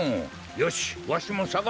よしわしもさがそう。